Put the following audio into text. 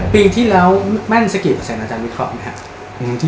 ปีที่แล้วแม่นเศรษฐกิจกับแสงอาจารย์วิเคราะห์ไหมครับ